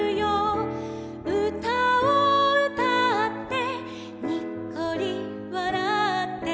「うたをうたってにっこりわらって」